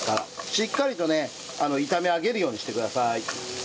しっかりとね炒め上げるようにしてください。